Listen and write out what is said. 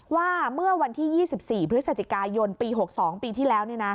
ว่าเมื่อวันที่ยี่สิบสี่พฤศจิกายนปีหกสองปีที่แล้วเนี่ยนะ